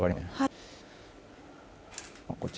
はい。